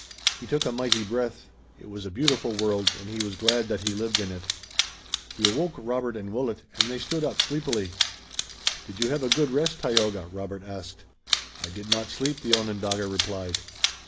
He took a mighty breath. It was a beautiful world and he was glad that he lived in it. He awoke Robert and Willet, and they stood up sleepily. "Did you have a good rest, Tayoga?" Robert asked. "I did not sleep," the Onondaga replied.